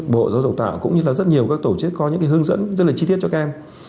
bộ giáo dục tạo cũng như là rất nhiều các tổ chức có những hướng dẫn rất là chi tiết cho các em